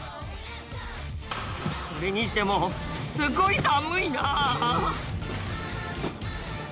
それにしてもすごい寒いな。